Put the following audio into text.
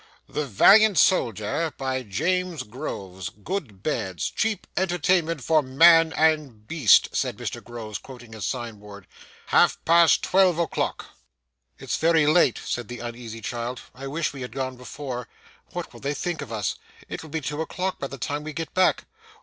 'The Valiant Soldier, by James Groves. Good beds. Cheap entertainment for man and beast,' said Mr Groves, quoting his sign board. 'Half past twelve o'clock.' 'It's very late,' said the uneasy child. 'I wish we had gone before. What will they think of us! It will be two o'clock by the time we get back.